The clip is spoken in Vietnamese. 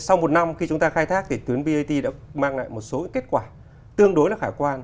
sau một năm khi chúng ta khai thác thì tuyến brt đã mang lại một số kết quả tương đối là khả quan